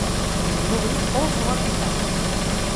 Il mourut onze mois plus tard.